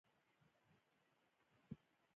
مينې مور په ژړا سره خپله کیسه پیل کړه